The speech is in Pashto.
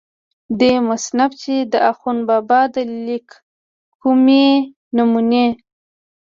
دې مصنف چې دَاخون بابا دَليک کومې نمونې